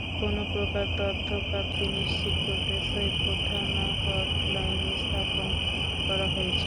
কোনো প্রকার তথ্য প্রাপ্তি নিশ্চিত করতে সৈয়দপুর থানায় হটলাইন স্থাপন করা হয়েছে।